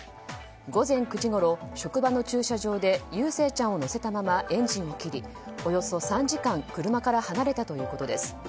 午前９時ごろ職場の駐車場で祐誠ちゃんを乗せたままエンジンを切り、およそ３時間車から離れたということです。